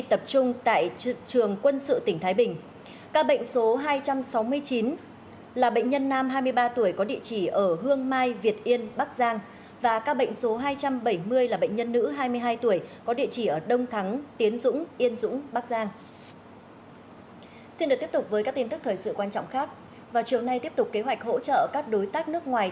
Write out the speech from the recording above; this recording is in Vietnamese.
tập trung tại trường quân sự tỉnh thái bình ca bệnh số hai trăm sáu mươi chín là bệnh nhân nam hai mươi ba tuổi có địa chỉ